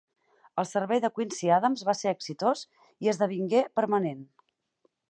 El servei de Quincy Adams va ser exitós i esdevingué permanent.